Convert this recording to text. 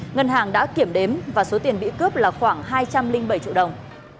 ngân hàng đã kiểm đếm và số tiền bị cướp là khoảng hai trăm linh bảy triệu đồng